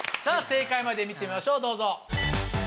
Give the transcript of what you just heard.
さぁ正解まで見てみましょうどうぞ！